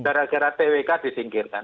gara gara twk disingkirkan